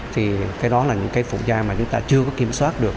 thì cái đó là những cái phụ da mà chúng ta chưa có kiểm soát được